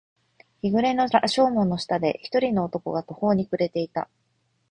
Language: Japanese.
日暮れの羅生門の下で、一人の男が途方に暮れていた。